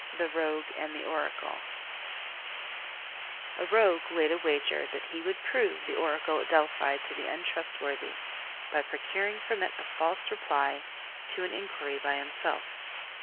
THE ROGUE AND THE ORACLE A Rogue laid a wager that he would prove the Oracle at Delphi to be untrustworthy by procuring from it a false reply to an inquiry by himself.